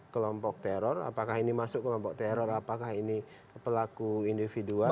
kelompok teror apakah ini masuk kelompok teror apakah ini pelaku individual